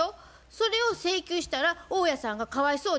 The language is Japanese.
それを請求したら大家さんがかわいそうです。